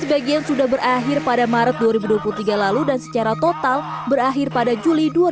sebagian sudah berakhir pada maret dua ribu dua puluh tiga lalu dan secara total berakhir pada juli dua ribu dua puluh